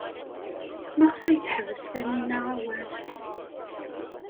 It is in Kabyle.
Maɣef ay teḥbes Taninna awal?